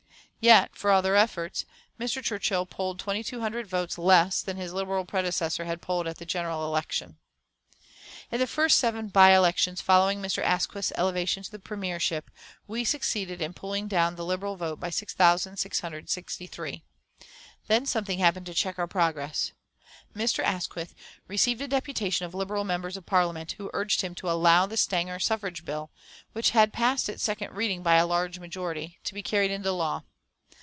Yet for all their efforts, Mr. Churchill polled 2200 votes less than his Liberal predecessor had polled at the general election. In the first seven by elections following Mr. Asquith's elevation to the premiership, we succeeded in pulling down the Liberal vote by 6663. Then something happened to check our progress. Mr. Asquith received a deputation of Liberal members of Parliament, who urged him to allow the Stanger suffrage bill, which had passed its second reading by a large majority, to be carried into law.